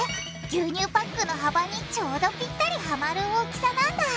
牛乳パックの幅にちょうどピッタリはまる大きさなんだ